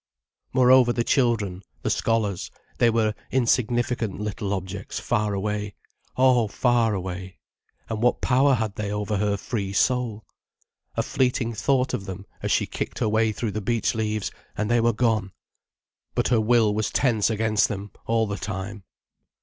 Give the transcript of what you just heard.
Moreover the children, the scholars, they were insignificant little objects far away, oh, far away. And what power had they over her free soul? A fleeting thought of them, as she kicked her way through the beech leaves, and they were gone. But her will was tense against them all the time.